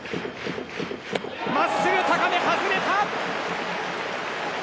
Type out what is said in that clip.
真っすぐ高め、外れた！